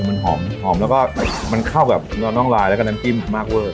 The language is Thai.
มันหอมหอมแล้วก็มันเข้าแบบน้องลายแล้วกับน้ำกลิ่นมากเวิร์ด